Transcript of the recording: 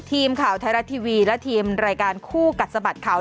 ทีมข่าวไทยรัฐทีวีและทีมรายการคู่กัดสะบัดข่าว